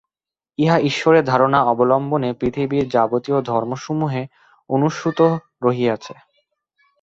ইহা ঈশ্বরের ধারণা অবলম্বনে পৃথিবীর যাবতীয় ধর্মসমূহে অনুস্যূত রহিয়াছে।